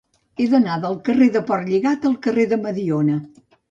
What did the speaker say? He d'anar del carrer de Portlligat al carrer de Mediona.